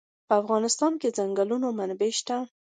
په افغانستان کې د ځنګلونه منابع شته.